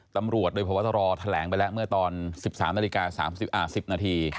ตำรวจโดยพบตรแถลงไปแล้วเมื่อตอน๑๓นาฬิกา๓๐นาที